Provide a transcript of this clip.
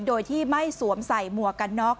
โดยที่ไม่สวมใส่หมวกกันน็อก